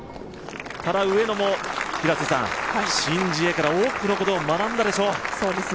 ただ上野も、シン・ジエから多くのことを学んだでしょう。